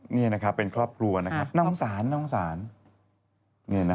นี่นะครับเป็นครอบครัวนะครับน้องศาลน่ีงีย์นะฮะ